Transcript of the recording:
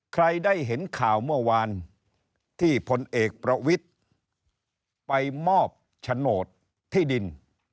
ใครได้เห็นข่าวเมื่อวานที่พลเอกประวิทธิ์ไปมอบโฉนดที่ดิน